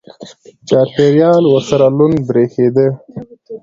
چاپېریال ورسره لوند برېښېده.